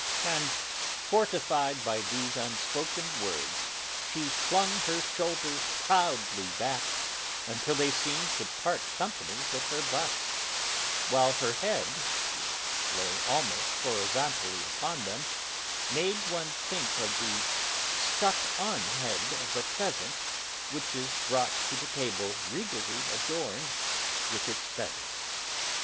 And fortified by these unspoken words she flung her shoulders proudly back until they seemed to part company with her bust, while her head, which lay almost horizontally upon them, made one think of the 'stuck on' head of a pheasant which is brought to the table regally adorned with its feathers.